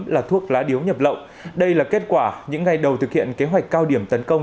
là thuốc lá điếu nhập lậu đây là kết quả những ngày đầu thực hiện kế hoạch cao điểm tấn công